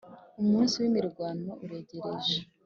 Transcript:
umunsi w’imirwano uregereje